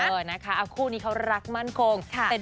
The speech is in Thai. เออนะคะคู่นี้เขารักมั่นคง